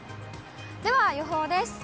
では予報です。